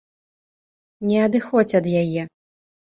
Не адыходзь ад яе.